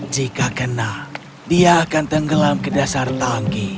jika kena dia akan tenggelam ke dasar tangki